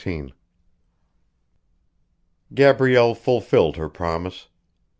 XIII Gabrielle fulfilled her promise.